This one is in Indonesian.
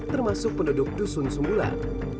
termasuk penduduk dusun sumbulan